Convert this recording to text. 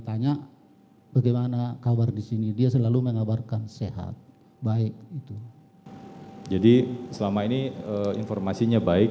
tanya bagaimana kabar di sini dia selalu mengabarkan sehat baik itu jadi selama ini informasinya baik